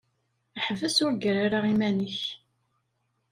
Ḥbes ur ggar ara iman-ik.